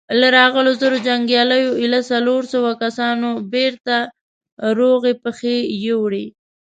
له راغلو زرو جنګياليو ايله څلورو سوو کسانو بېرته روغي پښې يووړې.